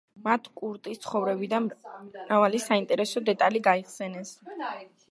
მათ კურტის ცხოვრებიდან მრავალი საინტერესო დეტალი გაიხსენეს.